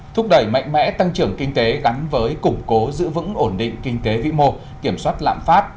thúc đẩy mạnh mẽ tăng trưởng kinh tế gắn với củng cố giữ vững ổn định kinh tế vĩ mô kiểm soát lạm phát